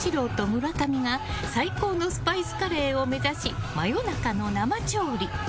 村上が最高のスパイスカレーを目指し真夜中の生調理！